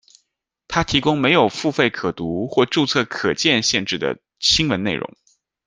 它提供没有付费可读或注册可见限制的新闻内容。